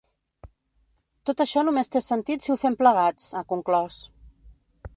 Tot això només té sentit si ho fem plegats, ha conclòs.